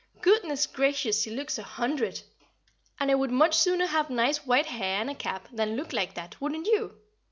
Goodness gracious she looks a hundred! And I would much sooner have nice white hair and a cap than look like that, wouldn't you?